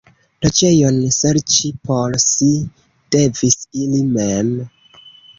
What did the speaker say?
Loĝejon serĉi por si devis ili mem.